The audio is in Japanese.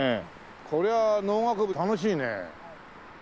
これは農学部楽しいね。